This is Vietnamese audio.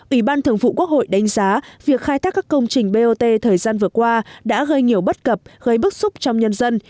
ủy ban thường vụ quốc hội đánh giá việc khai thác các công trình bot thời gian vừa qua đã gây nhiều bất cập gây bức xúc trong nhân dân